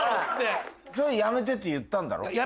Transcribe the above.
つってそれやめてって言ったんだろ？